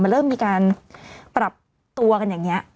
มันเริ่มมีการปรับตัวกันอย่างนี้